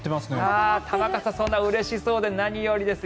玉川さん、そんなにうれしそうで何よりです。